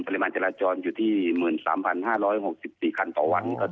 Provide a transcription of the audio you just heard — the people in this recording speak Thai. ปริมาณจราจรอยู่ที่๑๓๕๖๔คันต่อวัน